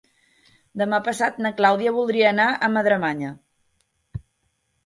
Demà passat na Clàudia voldria anar a Madremanya.